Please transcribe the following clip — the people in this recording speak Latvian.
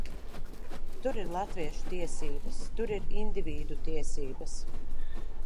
Tur ir latviešu tiesības, tur ir indivīdu tiesības.